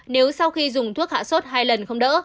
nếu sau khi dùng thuốc hạ sốt hai lần không đỡ